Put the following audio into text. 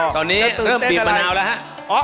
ตอนนี้เริ่มปีบมะนาวแล้วฮะ